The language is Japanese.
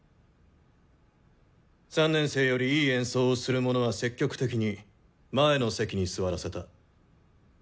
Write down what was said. ３年生よりいい演奏をする者は積極的に前の席に座らせた。